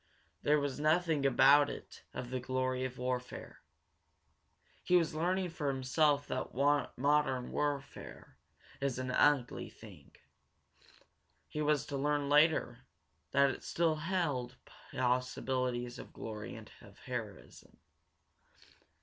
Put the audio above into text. There was nothing about it of the glory of warfare. He was learning for himself that modern warfare is an ugly thing. He was to learn, later, that it still held its possibilities of glory, and of heroism.